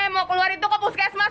mau keluar itu ke puskesmas